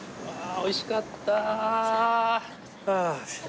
おいしかった。